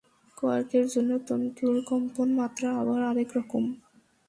কোয়ার্কের জন্য তন্তুর কম্পন মাত্রা আবার আরেক রকম।